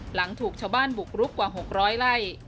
หลังถูกชาวบ้านบุกรุกกว่า๖๐๐ไร่